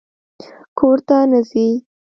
_کور ته نه ځې؟